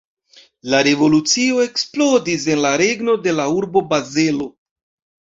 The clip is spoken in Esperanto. La revolucio eksplodis en la regno de la urbo Bazelo.